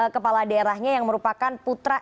kepala daerahnya yang merupakan putra